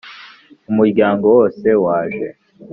Umuryango wose waje